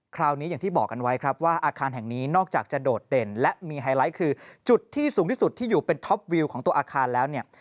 คราวนี้อย่างที่บอกกันไว้ครับว่าอาคารแห่งนี้นอกจากจะโดดเด่นและมีไฮไลท์คือจุดที่สูงที่สุดที่อยู่เป็นท็อปวิวของตัวอาคารแล้วเนี่ย